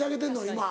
今。